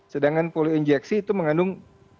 sedangkan poliokinjeksia itu mengandung satu dua tiga